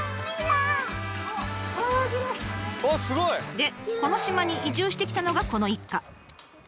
でこの島に移住してきたのがこの一家。